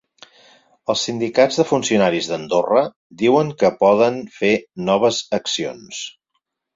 Els sindicats de funcionaris d’Andorra diuen que poden fer noves accions.